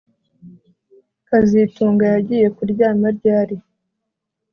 kazitunga yagiye kuryama ryari